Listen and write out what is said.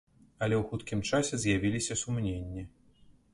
Але ў хуткім часе з'явіліся сумненні.